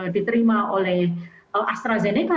diterima oleh astrazeneca